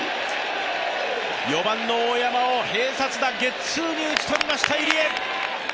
４番の大山を併殺打、ゲッツーに打ち取りました、入江。